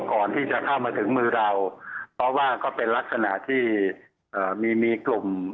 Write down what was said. ก่อนที่จะเข้ามาถึงมือเราเพราะว่าก็เป็นลักษณะที่เอ่อมีมีกลุ่ม